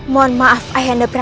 mohon maaf ayah ananda bekerja